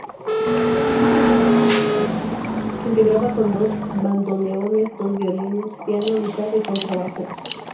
Se integraba con dos bandoneones, dos violines, piano, guitarra y contrabajo.